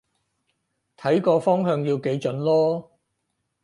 睇個方向要幾準囉